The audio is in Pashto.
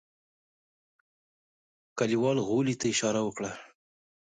کليوال غولي ته اشاره وکړه.